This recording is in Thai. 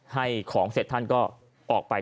ให้ของเสร็จท่านก็ออกไป